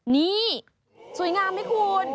นี่สวยงามไหมคุณ